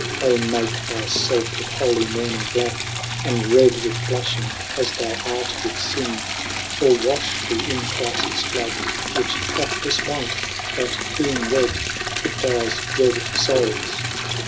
10 Oh make thy felfe with holy mourning blacke, And red with bluming, as thou art with fmne; Or warn thee in Chrifts blood, which hath this might That being red, it dyes red foules to white.